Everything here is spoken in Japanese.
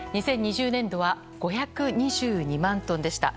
２０２０年度は５２２万トンでした。